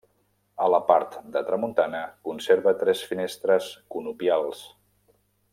A la part de tramuntana conserva tres finestres conopials.